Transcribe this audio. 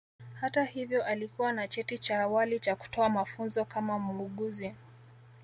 Hata hivyo alikuwa na cheti cha awali cha kutoa mafunzo kama muuguzi